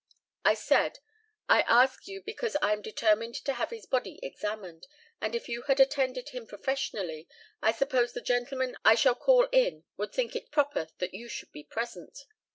I said, "I ask you, because I am determined to have his body examined; and if you had attended him professionally I suppose the gentleman I shall call in would think it proper that you should be present."